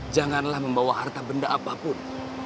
janganlah membawa harta benda apapun